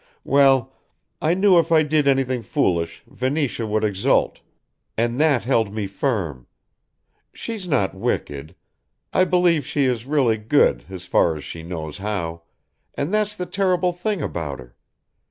Well, I knew if I did anything foolish Venetia would exult, and that held me firm. She's not wicked. I believe she is really good as far as she knows how, and that's the terrible thing about her.